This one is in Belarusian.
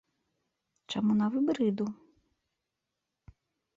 Чаму на выбары іду?